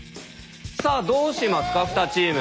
さあどうしますか２チーム。